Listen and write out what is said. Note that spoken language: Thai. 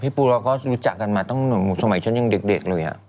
ปูเราก็รู้จักกันมาตั้งสมัยฉันยังเด็กเลย